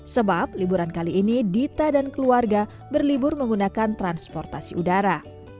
sebab liburan kali ini dita dan keluarga berlibur menggunakan transportasi udara